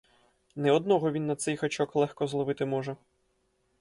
Не одного він на цей гачок легко зловити може.